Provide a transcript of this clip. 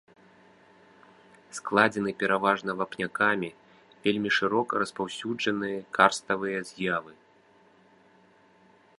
Складзены пераважна вапнякамі, вельмі шырока распаўсюджаныя карставыя з'явы.